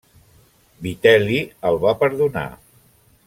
Vitel·li el va perdonar.